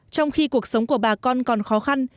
trong khi cuộc sống của bà con còn khó khăn